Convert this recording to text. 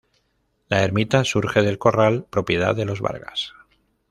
La ermita surge del corral propiedad de los Vargas.